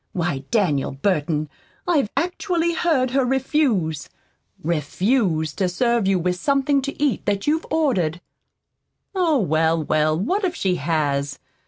Why, Daniel Burton, I've actually heard her refuse REFUSE to serve you with something to eat that you'd ordered." "Oh, well, well, what if she has?